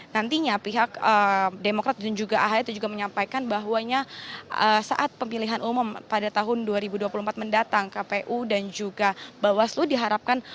nantinya pihak demokrat dan juga ahi juga menyampaikan bahwanya saat pemilihan umum pada tahun dua ribu dua puluh empat mendatang kpu dan juga bawaslu diharapkan